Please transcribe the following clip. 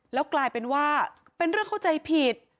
แล้วกลายเป็นว่าเป็นเรื่องเข้าใจผิด